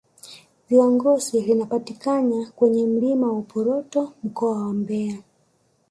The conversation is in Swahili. Ziwa Ngosi linapatikana kwenye milima ya Uporoto Mkoa wa Mbeya